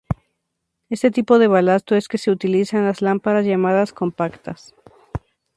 Este tipo de balasto es que se utiliza en las lámparas llamadas compactas.